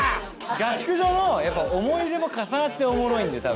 合宿所の思い出も重なっておもろいんだよ